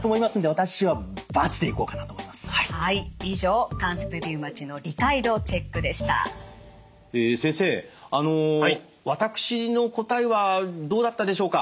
私の答えはどうだったでしょうか？